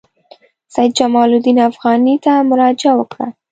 سید جمال الدین افغاني ته مراجعه وکړه.